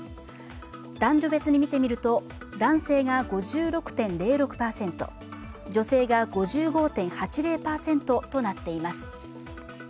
男女別に見てみると男性が５６．０６％、女性が５５．８０％となっています。